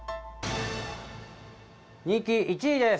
人気１位です。